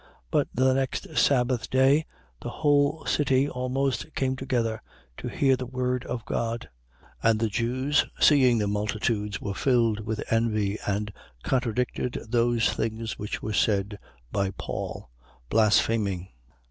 13:44. But the next sabbath day, the whole city almost came together, to hear the word of God. 13:45. And the Jews, seeing the multitudes, were filled with envy and contradicted those things which were said by Paul, blaspheming.